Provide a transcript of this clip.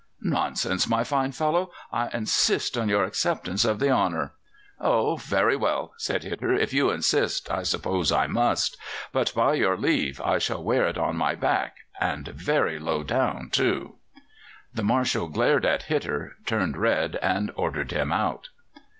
"Nonsense, my fine fellow. I insist on your acceptance of the honour." "Oh! very well," said Hitter, "if you insist, I suppose I must; but, by your leave, I shall wear it on my back and very low down, too." The Marshal glared at Hitter, turned red, and ordered him out.